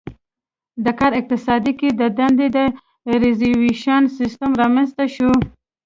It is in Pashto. د کا اقتصاد کې د دندې د ریزروېشن سیستم رامنځته شو.